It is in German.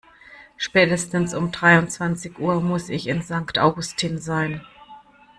Spätestens um dreiundzwanzig Uhr muss ich in Sankt Augustin sein.